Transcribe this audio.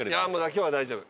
今日は大丈夫。